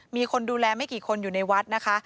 มีคนดูแลไม่กี่คนอยู่ในวัดนะคะ